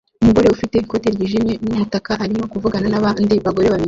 Umugore ufite ikote ryijimye n'umutaka arimo kuvugana nabandi bagore babiri